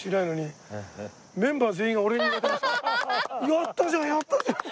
「やったじゃんやったじゃん！」。